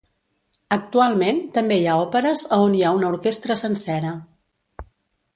Actualment també hi ha òperes a on hi ha una orquestra sencera.